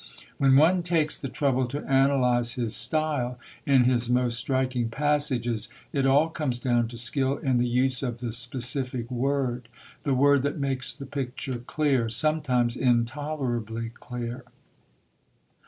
When one takes the trouble to analyse his style in his most striking passages, it all comes down to skill in the use of the specific word the word that makes the picture clear, sometimes intolerably clear.